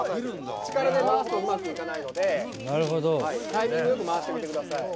力で回すとうまく回らないのでタイミングよく回してください。